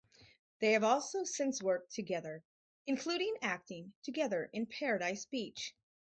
They have also since worked together, including acting together in "Paradise Beach".